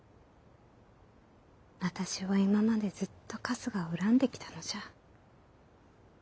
私は今までずっと春日を恨んできたのじゃ。